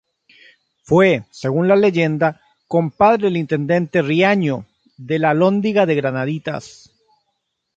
Fue, según la leyenda, compadre del intendente Riaño, de la Alhóndiga de Granaditas.